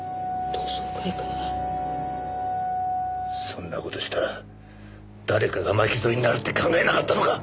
そんな事したら誰かが巻き添えになるって考えなかったのか！